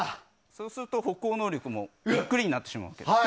そうすると歩行能力もゆっくりになってしまうんです。